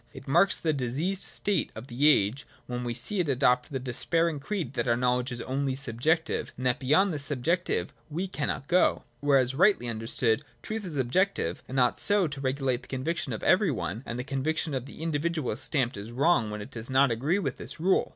It marks the diseased state of the age when we see it adopt the despairing creed that our knowledge is only subjective, and that beyond this subjective we cannot go. Whereas, rightly understood, truth is objective, and ought so to regulate the conviction of everj'' one, that the conviction of the individual is stamped as wrong when it does not agree with this rule.